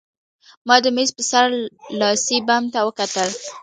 ما د مېز په سر لاسي بم ته وکتل